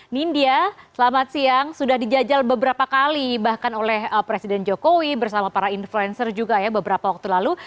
nindya selamat siang sudah dijajal beberapa kali bahkan oleh presiden jokowi bersama para influencer juga ya beberapa waktu lalu